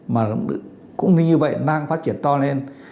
mà cũng như vậy nang phát triển to lên